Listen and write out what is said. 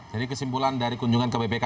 jadi kesimpulan dari kunjungan ke bpk